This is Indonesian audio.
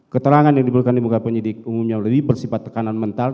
keterangan yang diberikan di muka penyidik umumnya lebih bersifat tekanan mental